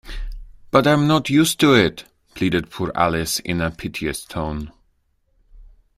‘But I’m not used to it!’ pleaded poor Alice in a piteous tone.